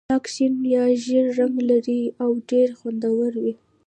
ناک شین یا ژېړ رنګ لري او ډېر خوندور وي.